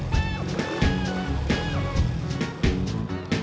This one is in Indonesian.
because keputus beku ini